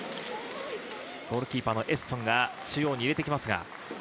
ゴールキーパー、エッソンが中央に入れてきます。